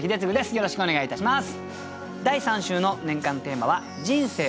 よろしくお願いします。